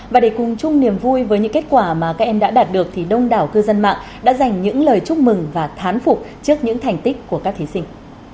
và để cùng chung niềm vui với những kết quả mà các em đã đạt được thì đông đảo cư dân mạng đã dành những lời chúc mừng và thán phục trước những thành tích của các thí sinh